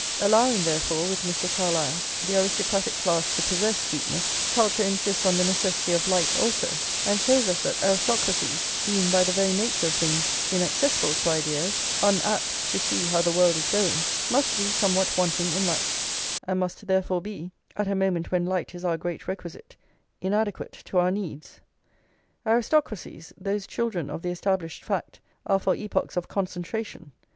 Allowing, therefore, with Mr. Carlyle, the aristocratic class to possess sweetness, culture insists on the necessity of light also, and shows us that aristocracies, being by the very nature of things inaccessible to ideas, unapt to see how the world is going, must be somewhat wanting in light, and must therefore be, at a moment when light is our great requisite, inadequate to our needs. Aristocracies, those children of the established fact, are for epochs of concentration.